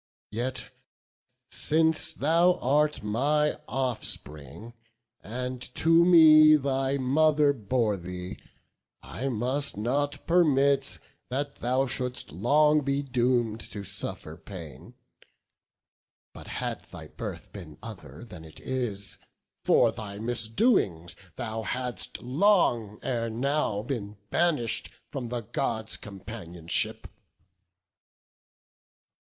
Yet since thou art my offspring, and to me Thy mother bore thee, I must not permit That thou should'st long be doom'd to suffer pain; But had thy birth been other than it is, For thy misdoings thou hadst long ere now Been banish'd from the Gods' companionship."